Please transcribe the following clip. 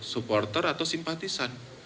supporter atau simpatisan